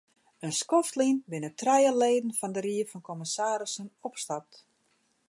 In skoft lyn binne trije leden fan de ried fan kommissarissen opstapt.